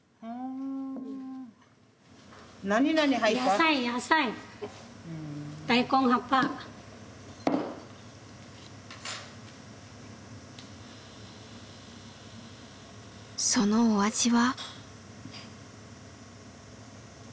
野菜野菜そのお味は？